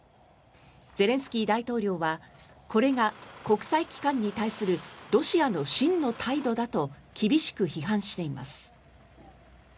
ゼレンスキー大統領はこれが国際機関に対するロシアの真の態度だと厳しく批判しています。